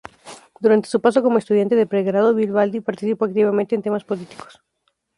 Durante su paso como estudiante de pregrado, Vivaldi participó activamente en temas políticos.